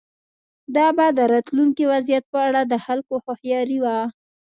دا به د راتلونکي وضعیت په اړه د خلکو هوښیاري وه.